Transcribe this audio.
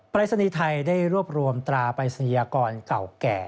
ปรายศนีย์ไทยได้รวบรวมตราปรายศนียากรเก่าแก่